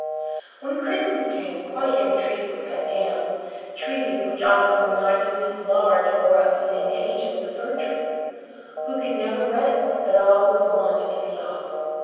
When Christmas came, quite young trees were cut down; trees which often were not even as large or of the same age as this Fir tree, who could never rest, but always wanted to be off.